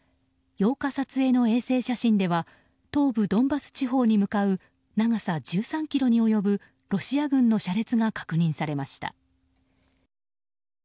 ８日撮影の衛星写真では東部ドンバス地方に向かう長さ１３ｋｍに及ぶロシア軍の車列が確認されました。